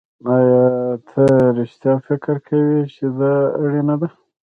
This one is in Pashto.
ایا ته رښتیا فکر کوې چې دا اړینه ده